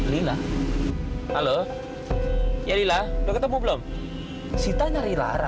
lila halo ya lila udah ketemu belum sita nyari lara